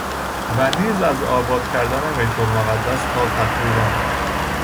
و نیز از آباد کردن بیت المقدس تا تخریب آن